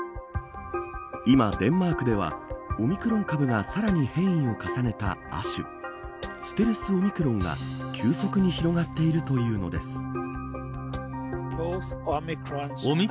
今デンマークではオミクロン株がさらに変異を重ねた亜種ステルスオミクロンが急速に広がっているというのです。